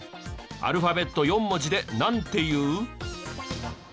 アルファベット４文字でなんて言う？